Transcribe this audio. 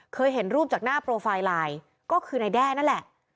เห็นรูปจากหน้าโปรไฟล์ไลน์ก็คือนายแด้นั่นแหละ